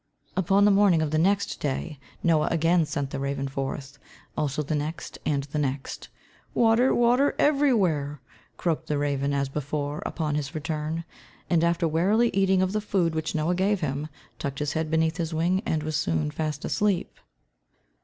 Upon the morning of the next day, Noah again sent the raven forth, also the next, and the next. "Water, water, everywhere," croaked the raven, as before, upon his return, and after wearily eating of the food which Noah gave him, tucked his head beneath his wing and was soon fast asleep.